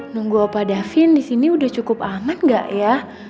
nunggu opa davin disini udah cukup aman ga ya